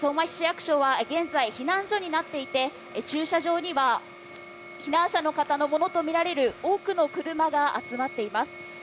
市役所は現在、避難所になっていて駐車場には避難者の方のものとみられる多くの車が集まっています。